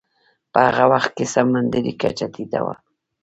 په هغه وخت کې سمندرې کچه ټیټه وه.